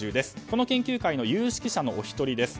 この研究会の有識者のお一人です。